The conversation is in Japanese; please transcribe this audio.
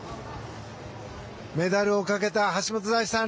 メダルをかけた橋本大輝さん。